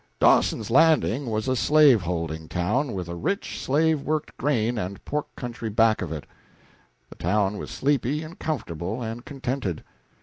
Dawson's Landing was a slaveholding town, with a rich slave worked grain and pork country back of it. The town was sleepy and comfortable and contented.